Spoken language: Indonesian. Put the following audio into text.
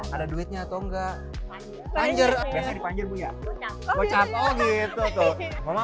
ada duitnya atau enggak